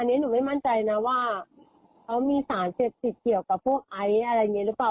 อันนี้หนูไม่มั่นใจนะว่าเขามีสารเสพติดเกี่ยวกับพวกไอซ์อะไรอย่างนี้หรือเปล่า